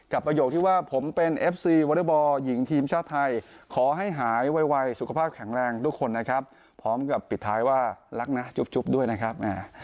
ประโยคที่ว่าผมเป็นเอฟซีวอเล็กบอลหญิงทีมชาติไทยขอให้หายไวสุขภาพแข็งแรงทุกคนนะครับพร้อมกับปิดท้ายว่ารักนะจุ๊บด้วยนะครับ